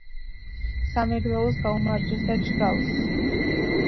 სამეგრელოს გაუმარჯოს და ჯგალს